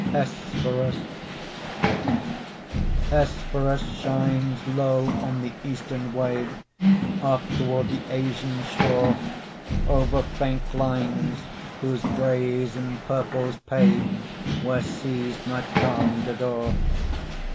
HESPERUS Hesperus shines Low on the eastern wave, Off toward the Asian shore; Over faint lines Whose grays and purples pave Where seas night calmed adore.